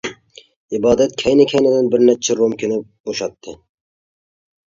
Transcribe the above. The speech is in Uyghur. ئىبادەت كەينى-كەينىدىن بىر نەچچە رومكىنى بوشاتتى.